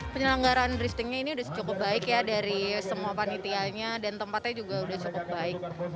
penyelenggaraan driftingnya ini sudah cukup baik ya dari semua panitianya dan tempatnya juga sudah cukup baik